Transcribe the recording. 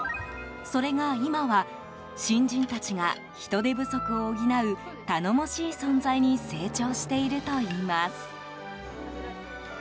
それが今は、新人たちが人出不足を補う、頼もしい存在に成長しているといいます。